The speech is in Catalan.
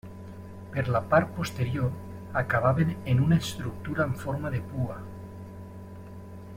Per la part posterior acabaven en una estructura amb forma de pua.